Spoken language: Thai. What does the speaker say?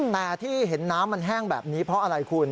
แต่ที่เห็นน้ำมันแห้งแบบนี้เพราะอะไรคุณ